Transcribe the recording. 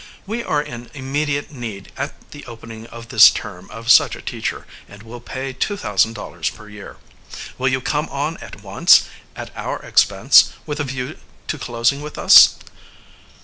We are in immediate need at the opening of this term of such a teacher, and will pay two thousand dollars per year. Will you come on at once, at our expense, with a view to closing with us?